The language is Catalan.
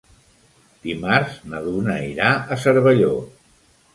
Dimarts na Duna irà a Cervelló.